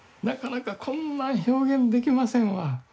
なかなかこんな表現できませんわ。